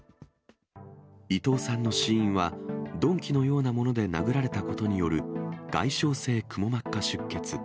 伊藤さんの死因は、鈍器のようなもので殴られたことによる、外傷性くも膜下出血。